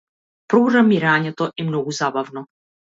Програмирањето е многу забавно.